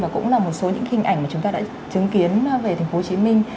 và cũng là một số những hình ảnh mà chúng ta đã chứng kiến về thành phố hồ chí minh